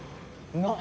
なっ！